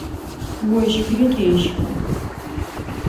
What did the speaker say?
Ощхыри къещхы.